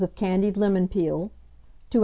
of candied lemon peel, 2 oz.